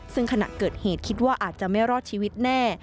ซึ่งขณะเกิดเหตุคิดว่าอาจจะไม่รอดชีวิตแน่